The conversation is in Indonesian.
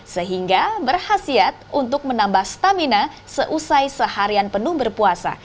sehingga berhasil untuk menambah stamina seusai seharian penuh berpuasa